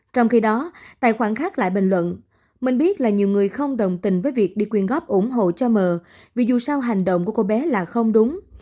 trong khi đó tại khoảng khắc lại bình luận mình biết là nhiều người không đồng tình với việc đi quyền góp ủng hộ cho mờ vì dù sao hành động của cô bé là không đúng